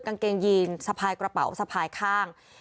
กางเกงยีนสะพายกระเป๋าสะพายข้าง